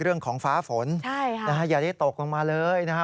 เรื่องของฟ้าฝนนะฮะอย่าได้ตกลงมาเลยนะฮะ